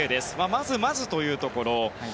まずまずというところ。